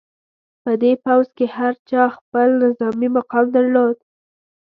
په دې پوځ کې هر چا خپل نظامي مقام درلود.